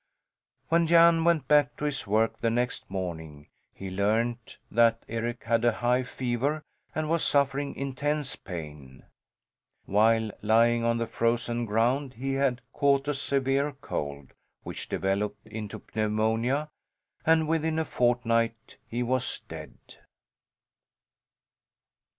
When Jan went back to his work the next morning he learned that Eric had a high fever and was suffering intense pain. While lying on the frozen ground he had caught a severe cold, which developed into pneumonia, and within a fortnight he was dead.